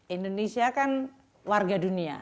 indonesia kan warga dunia